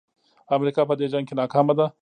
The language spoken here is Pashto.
امریکا په دې جنګ کې ناکامه ده.